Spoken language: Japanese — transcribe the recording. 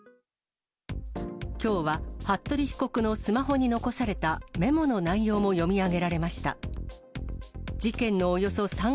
きょうは服部被告のスマホに残されたメモの内容も読み上げられました。